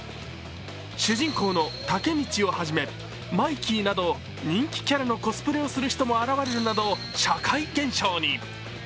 主人公のタケミチをはじめ、マイキーなど人気キャラのコスプレをする人も現れるなど社会現象に。